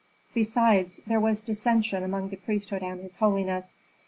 Besides, there was dissension between the priesthood and his holiness.